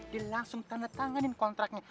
dia langsung tanda tanganin kontraknya